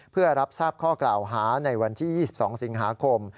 เพื่อรับทราบข้อกล่าวหาในวันที่๒๒สิงหาคม